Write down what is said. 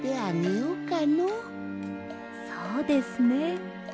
そうですね。